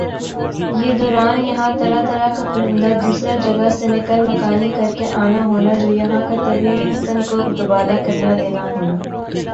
یِہ دوران یَہاں طرح طرح کا پرندہ دُوسْرا جگہ سے نقل مکانی کرکہ آنا ہونا جو یَہاں کا طبعی حسن کو دوبالا کرنا دینا ہونا